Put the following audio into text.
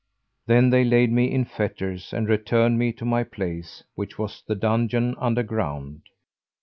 Then they laid me in fetters and returned me to my place which was the dungeon under ground.